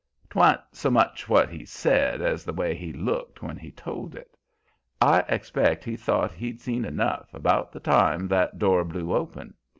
'Twan't so much what he said as the way he looked when he told it. I expect he thought he'd seen enough, about the time that door blew open.